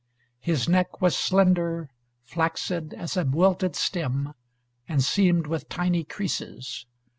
His neck was slender, flaccid as a wilted stem, and seamed with tiny creases.